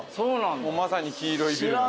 まさに黄色いビル。